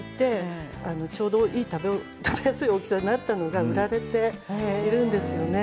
里芋もむいて食べやすい大きさになったものが売られているんです。